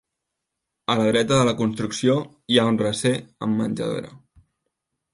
A la dreta de la construcció hi ha un recer amb menjadora.